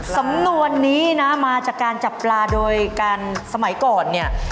สำนวนนี้นะมาจากการจับปลาโดยการสมัยก่อนเนี่ย